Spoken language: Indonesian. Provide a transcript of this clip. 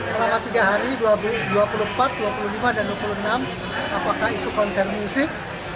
selama tiga hari dua ribu dua puluh empat dua puluh lima dan dua puluh enam apakah itu konser musik